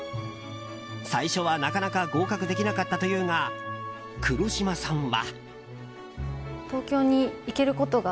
最初はなかなか合格できなかったというが黒島さんは。